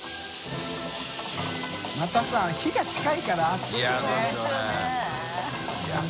またさ火が近いから暑いよね。